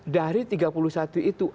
dari tiga puluh satu itu